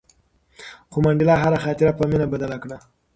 خو منډېلا هره خاطره په مینه بدله کړه.